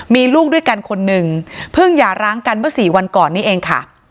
มีลูกด้วยกันคนหนึ่งเพิ่งหย่าร้างกันเมื่อสี่วันก่อนนี้เองค่ะ